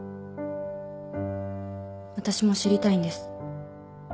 私も知りたいんです。